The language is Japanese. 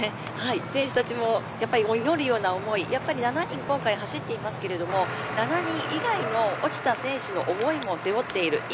選手たちも祈るような思い７人走っていますが、７人以外の選手の思いも背負っている今